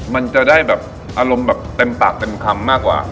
มันจะได้แบบอารมณ์แบบเต็มปากเต็มคำมากกว่า